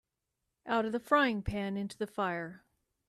Out of the frying pan into the fire.